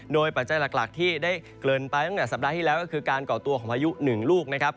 โดยปัจจัยหลักที่ได้เกินไปตั้งแต่สัปดาห์ที่แล้วก็คือการก่อตัวของพายุหนึ่งลูกนะครับ